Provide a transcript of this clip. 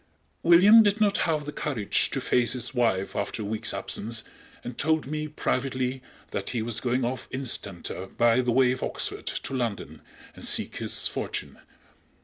William did not have the courage to face his wife after a week's absence, and told me privately that he was going off instanter by the way of Oxford to London and seek his fortune.